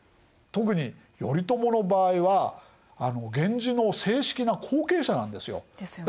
特に頼朝の場合は源氏の正式な後継者なんですよ。ですよね。